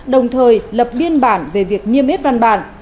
đồng thời lập biên bản về việc niêm yết văn bản